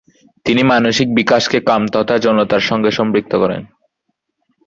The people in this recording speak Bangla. তিনি মানসিক বিকাশকে কাম তথা যৌনতার সঙ্গে সম্পৃক্ত করেন।